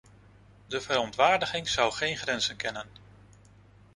De verontwaardiging zou geen grenzen kennen!